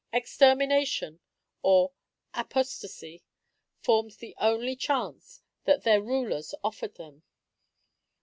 Extermination or apostasy formed the only choice that their rulers offered them.